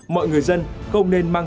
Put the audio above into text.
mọi người dân không nên mang